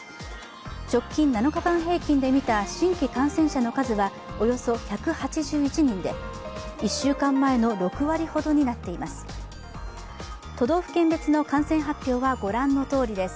直近７日間平均で見た新規陽性者の数はおよそ１８１人で１週間前の６割ほどになっています。